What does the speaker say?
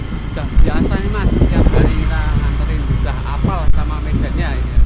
udah biasa nih mas tiap hari kita nganterin juga apel sama weekendnya